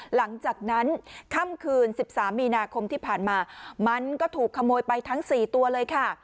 หลังจากนั้นค่ำคืน๑๓มีนาคมที่ผ่านมามันก็ถูกขโมยไปทั้ง๔ตัวเลยค่ะ